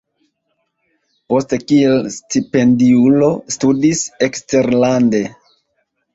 Poste kiel stipendiulo studis eksterlande.